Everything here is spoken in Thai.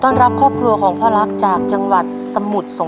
นี้มีชั้นให้คิดที่จะเห็นจริง